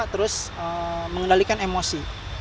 terus mengendalikan emosi